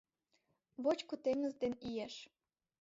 Вочко теҥыз ден иеш.